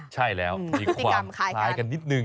ใช่แล้วมีความคล้ายกันนิดนึง